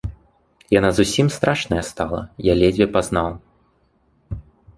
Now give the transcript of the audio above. Яна зусім страшная стала, я ледзьве пазнаў.